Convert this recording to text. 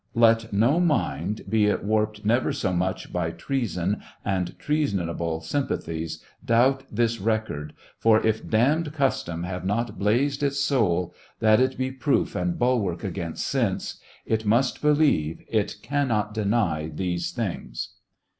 Let no mind, be it warped never so much by treason and treasonable sympathies, doubt this record, for "If damned custom have not brazed its soul — that it be proof and bulwark against sense," it must believe; it cannot deny these things.